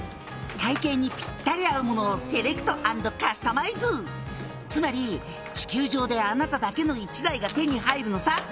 「体形にピッタリ合うものをセレクト＆カスタマイズ」「つまり地球上であなただけの１台が手に入るのさ」